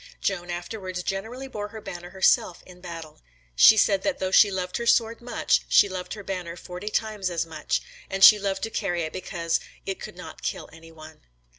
Joan afterwards generally bore her banner herself in battle; she said that though she loved her sword much, she loved her banner forty times as much; and she loved to carry it because it could not kill any one.